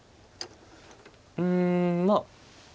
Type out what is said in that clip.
うんまあ。